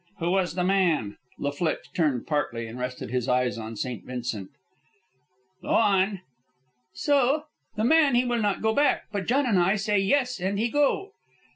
'" "Who was the man?" La Flitche turned partly, and rested his eyes on St. Vincent. "Go on." "So? The man he will not go back; but John and I say yes, and he go."